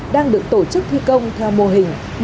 đang được tổ chức thi công theo mô hình